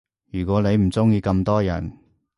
如果你唔鐘意咁多人